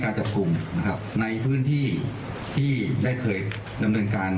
ในเมืองต้นนะครับคุณสมชัยยังไม่ยอมรับครับ